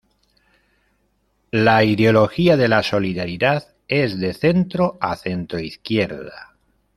La ideología de la solidaridad es de centro a centroizquierda.